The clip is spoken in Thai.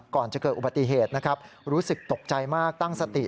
ก่อนจะเกิดอุบัติเหตุนะครับรู้สึกตกใจมากตั้งสติ